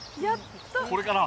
これかな？